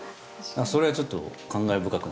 それはちょっと。